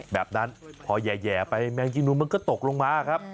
แบบนั้นพอแหย่ไปแมงจีนูนมันก็ตกลงมาครับ